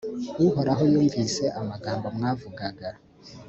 uhoraho yumvise amagambo mwavugaga